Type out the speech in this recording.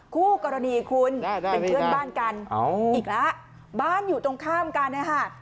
คู่กรณีคุณเป็นเพื่อนบ้านกันอีกแล้วบ้านอยู่ตรงข้ามกันนะฮะ